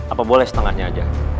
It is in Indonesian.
apa boleh setengahnya aja